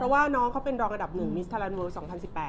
เพราะว่าน้องเขาเป็นรอง๑มิสเทฬร์รัสโมโล๒๐๑๘